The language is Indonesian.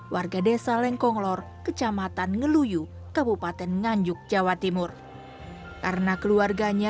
warga desa lengkonglor kecamatan ngeluyu kabupaten nganjuk jawa timur karena keluarganya